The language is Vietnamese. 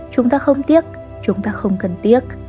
chúng ta không tiếc chúng ta không cần tiếc